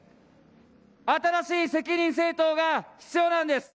新しい責任政党が必要なんです。